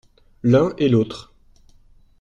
L’un et l’autre.